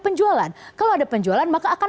penjualan kalau ada penjualan maka akan